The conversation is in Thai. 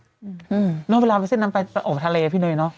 อืมนอกจากเวลาเวสเซ็ตนั้นไปออกทะเลพี่เนยเนอะ